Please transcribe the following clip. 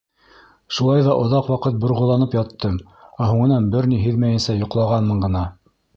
Шулай ҙа оҙаҡ ваҡыт борғоланып яттым, ә һуңынан бер ни һиҙмәйенсә йоҡлағанмын ғына.